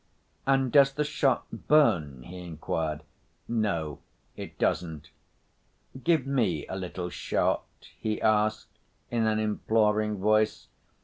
"And does the shot burn?" he inquired. "No, it doesn't." "Give me a little shot," he asked in an imploring voice.